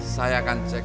saya akan cek